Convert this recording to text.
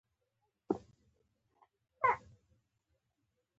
آیا پنیر او کوچ تولیدوو؟